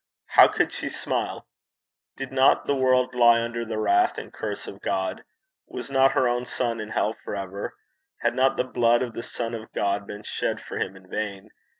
How could she smile? Did not the world lie under the wrath and curse of God? Was not her own son in hell for ever? Had not the blood of the Son of God been shed for him in vain?